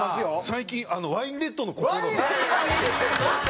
最近『ワインレッドの心』。いやいや！